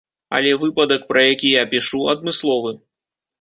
Але выпадак, пра які я пішу, адмысловы.